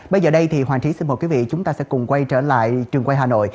bây giờ đây thì hoàng trí xin mời quý vị chúng ta sẽ cùng quay trở lại trường quay hà nội